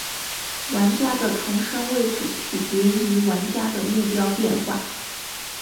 玩家的重生位置取决于玩家的目标变化。